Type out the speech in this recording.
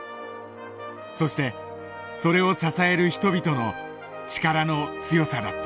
そしてそれを支える人々の力の強さだった。